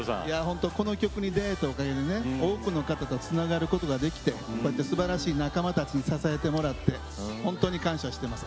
この曲に出会えたおかげでね多くの方とつながることができてすばらしい仲間たちに支えてもらって本当に感謝してます。